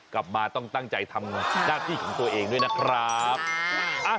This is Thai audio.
กลับมาต้องตั้งใจทำหน้าที่ของตัวเองด้วยนะครับ